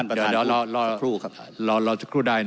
สังวัสดิ์อัตชีวิต